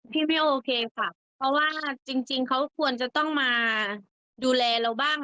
พี่ไม่โอเคค่ะเพราะว่าจริงเขาควรจะต้องมาดูแลเราบ้าง